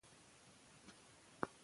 زه خپل کتابونه له نورو سره شریکوم.